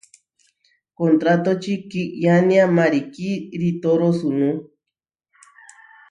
Kontrátoči kiyánia marikí ritoro sunú.